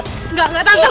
tante aku kebasin tante